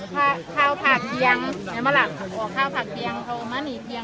ภาพภาพเดียงอย่างก็ดี